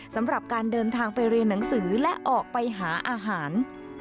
สำหรับการเดินทางไปเรียนหนังสือและออกไปหาอาหาร